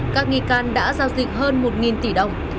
các nghi can đã giao dịch hơn một tỷ đồng